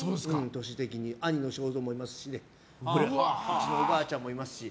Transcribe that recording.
兄の正蔵もいますしうちのおばあちゃんもいますし。